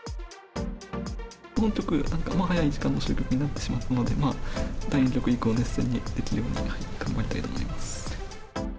本局は、早い時間の終局になってしまったので、第２局以降、熱戦にできるように頑張りたいと思います。